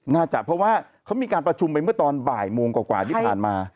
น่าจะเพราะว่าเขามีการประชุมไปเมื่อตอนบ่ายโมงกว่าที่ผ่านมา